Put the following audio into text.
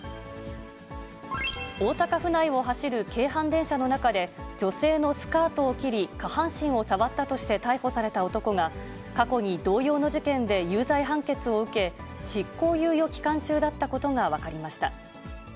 大阪府内を走る京阪電車の中で、女性のスカートを切り、下半身を触ったとして逮捕された男が、過去に同様の事件で有罪判決を受け、執行猶予期間中だったことが分かりました。